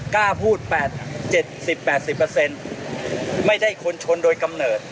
กล้าพูดแปดเจ็ดสิบแปดสิบเปอร์เซ็นต์ไม่ใช่คนชนโดยกำเนิด